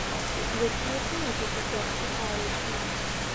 Якія кнігі цяпер чытаеце?